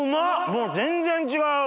もう全然違う！